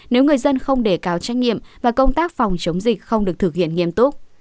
nếu người dân không để cao trách nhiệm và công tác phòng chống dịch không được thực hiện nghiêm túc